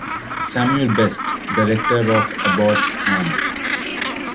Samuel Best, the Rector of Abbotts Ann.